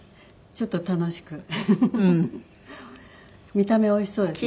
見た目おいしそうですね。